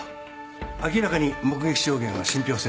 明らかに目撃証言は信ぴょう性に欠けます。